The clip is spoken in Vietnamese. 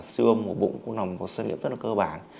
siêu âm của bụng cũng nằm vào sân liễm rất là cơ bản